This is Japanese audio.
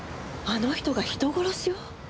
あの人が人殺しを？